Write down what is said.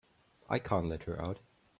I can't let her out.